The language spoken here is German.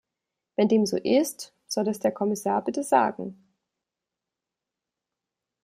Wenn dem so ist, soll es der Kommissar bitte sagen.